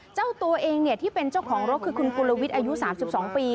เจ้าตัวเองที่เป็นเจ้าของรถคือคุณกุลวิทย์อายุ๓๒ปี